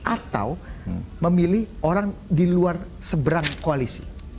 atau memilih orang di luar seberang koalisi